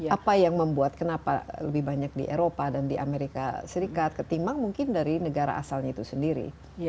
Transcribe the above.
apa yang membuat kenapa lebih banyak di eropa dan di amerika serikat ketimbang mungkin dari negara asalnya itu sendiri